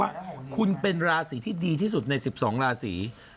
ว่าคุณเป็นราศีที่ดีที่สุดใน๑๒ราศี